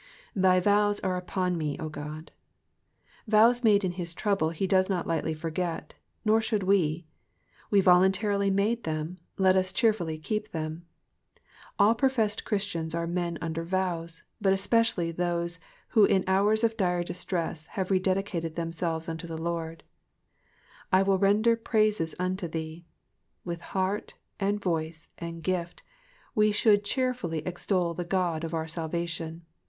12. ^^Thy vows are upon me^ 0 God.''^ Vows made in his trouble he does not lightly forget, nor should we. We voluntarily made them, let us cheerfully keep them. All professed Christians are men under vows, but especially those who in hours of aire distress have re dedicated themselves unto the Lord. / will render praises unto thee.'''' With heart, and voice, and gift, we should cheer fully extol the God of our salvation.